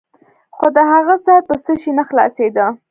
خو د هغه سر په څه شي نه خلاصېده.